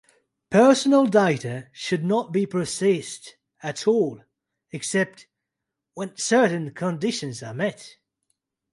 Personal data should not be processed at all, except when certain conditions are met.